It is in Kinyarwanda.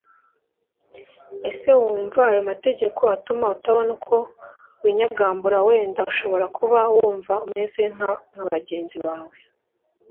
Ese wumva ayo mategeko atuma utabona uko winyagambura Wenda ushobora kuba wumva umeze nka bagenzi bawe